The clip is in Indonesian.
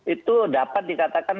itu dapat dikatakan